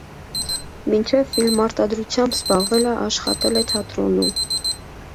Մինչև ֆիլմարտադրությամբ զբաղվելը աշխատել է թատրոնում։